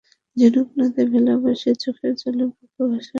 ঝিনুক নদে ভেলা ভাসিয়ে চোখের জলে বুক ভাসায় মনিরের নৌকার নারী-পুরুষেরা।